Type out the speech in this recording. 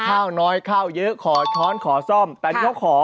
ข้าวน้อยข้าวเยอะขอช้อนขอซ่อมแต่นี่เขาขอ